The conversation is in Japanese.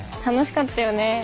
楽しかったよね。